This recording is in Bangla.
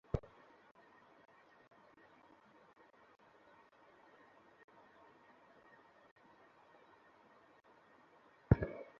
স্বাগত, স্যার ইনি আমাদের ভাইস প্রিন্সিপ্যাল।